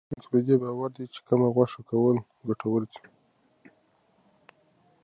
څېړونکي په دې باور دي چې کم غوښه کول ګټور دي.